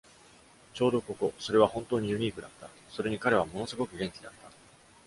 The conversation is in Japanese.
ちょうどここ。それは本当にユニークだった-それに彼はものすごく元気だった。